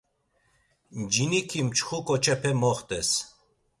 Ciniki mçxu ǩoçepe moxtes.